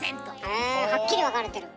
へえはっきり分かれてる。